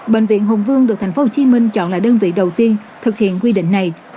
bệnh viện hùng vương được tp hcm chọn là đơn vị đầu tiên thực hiện quy định này